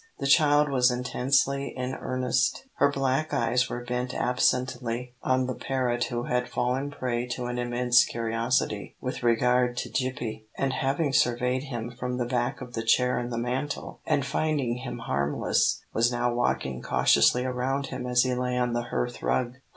The child was intensely in earnest. Her black eyes were bent absently on the parrot who had fallen prey to an immense curiosity with regard to Gippie, and having surveyed him from the back of the chair and the mantel, and finding him harmless, was now walking cautiously around him as he lay on the hearth rug.